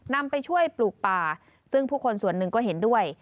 นำไปช่วยปลูกป่าซึ่งผู้คนส่วนหนึ่งก็เห็นด้วย